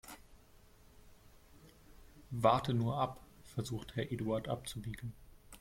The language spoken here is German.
Warte nur ab, versucht Herr Eduard abzuwiegeln.